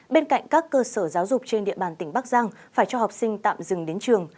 bên cạnh các cơ sở giáo dục trên địa bàn tỉnh bắc giang phải cho học sinh tạm dừng đến trường